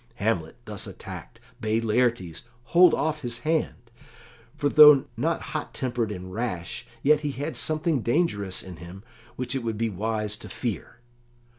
Hamlet, thus attacked, bade Laertes hold off his hand, for though not hot tempered and rash, yet he had something dangerous in him which it would be wise to fear.